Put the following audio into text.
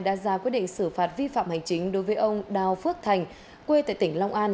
đã ra quyết định xử phạt vi phạm hành chính đối với ông đào phước thành quê tại tỉnh long an